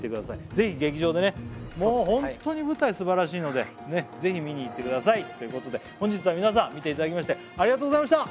ぜひ劇場でねもうホントに舞台すばらしいのでぜひ見に行ってくださいということで本日は皆さん見ていただきましてありがとうございました！